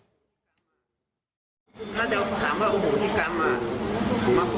ถ้าจะถามว่าโอ้โหที่กรรมอ่ะ